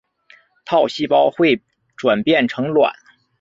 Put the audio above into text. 套细胞会转变成卵。